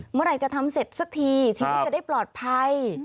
เมื่อไหร่จะทำเสร็จสักทีชีวิตจะได้ปลอดภัย